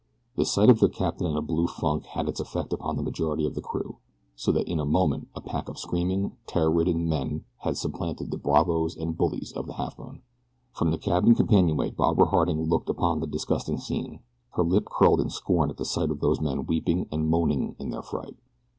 The sight of their captain in a blue funk had its effect upon the majority of the crew, so that in a moment a pack of screaming, terror ridden men had supplanted the bravos and bullies of the Halfmoon. From the cabin companionway Barbara Harding looked upon the disgusting scene. Her lip curled in scorn at the sight of these men weeping and moaning in their fright.